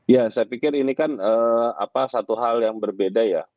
ya saya pikir ini kan satu hal yang berbeda ya